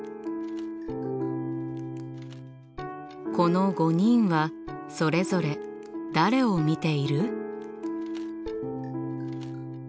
この５人はそれぞれ誰を見ている？